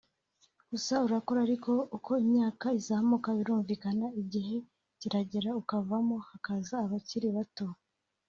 gusa urakora ariko uko imyaka izamuka birumvikana igihe kiragera ukavamo hakaza abakiri bato